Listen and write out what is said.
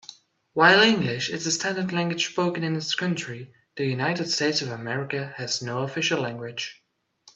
While English is the standard language spoken in his country, the United States of America has no official language.